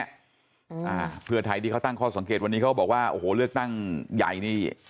อ่าเพื่อไทยที่เขาตั้งข้อสังเกตวันนี้เขาบอกว่าโอ้โหเลือกตั้งใหญ่นี่